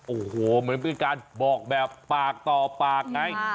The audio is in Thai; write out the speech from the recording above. โอ้โหเหมือนเป็นการบอกแบบปากต่อปากไง